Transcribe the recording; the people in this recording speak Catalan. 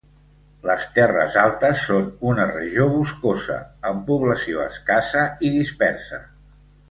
Les terres altes són una regió boscosa, amb població escassa i dispersa.